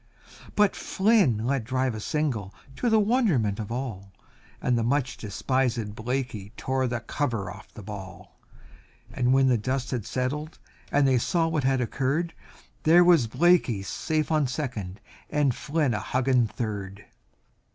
But Flynn let drive a single to the wonderment of all, And the much despisèd Blakey tore the cover off the ball, And when the dust had lifted and they saw what had occurred, There was Blakey safe on second, and Flynn a hugging third.